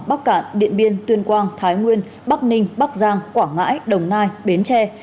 bắc cạn điện biên tuyên quang thái nguyên bắc ninh bắc giang quảng ngãi đồng nai bến tre